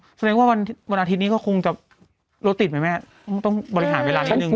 แสดงว่าวันอาทิตย์นี้ก็คงจะรถติดไหมแม่ต้องบริหารเวลานิดนึง